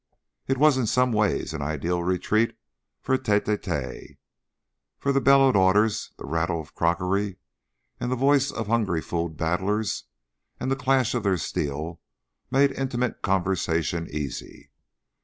It was in some ways an ideal retreat for a tete a tete, for the bellowed orders, the rattle of crockery, the voice of the hungry food battlers, and the clash of their steel made intimate conversation easy.